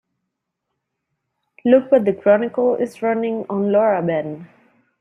Look what the Chronicle is running on Laura Ben.